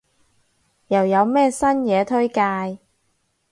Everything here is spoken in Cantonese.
又有咩新嘢推介？